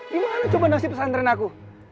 gimana coba nasib pesantren aku